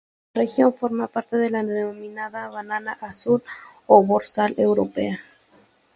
La región forma parte de la denominada Banana Azul o Dorsal Europea.